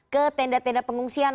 ke tenda tenda pengungsian